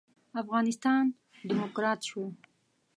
افغانستان ډيموکرات شو.